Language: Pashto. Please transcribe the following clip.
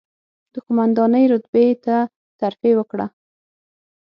د قوماندانۍ رتبې ته ترفېع وکړه،